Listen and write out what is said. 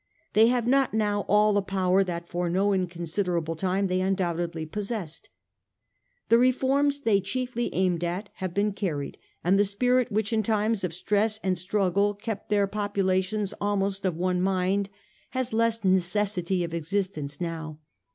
They have not now all the power that for no inconsiderable time they undoubtedly possessed. The reforms they chiefly aimed at have been carried, and the spirit which in times of stress and struggle kept their popu lations almost of one mind has less necessity of exis tence now.